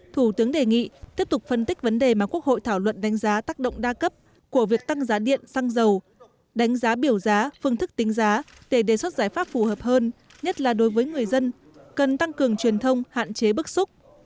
thủ tướng đề nghị tiếp tục phân tích vấn đề mà quốc hội thảo luận đánh giá tác động đa cấp của việc tăng giá điện xăng dầu đánh giá biểu giá phương thức tính giá để đề xuất giải pháp phù hợp hơn nhất là đối với người dân cần tăng cường truyền thông hạn chế bức xúc